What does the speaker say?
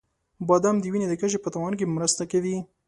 • بادام د وینې د کچې په توازن کې مرسته کوي.